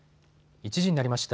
１時になりました。